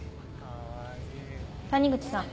谷口さん。